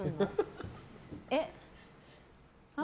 えっ？